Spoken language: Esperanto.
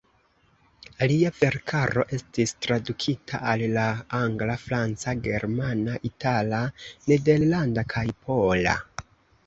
Lia verkaro estis tradukita al la angla, franca, germana, itala, nederlanda kaj pola.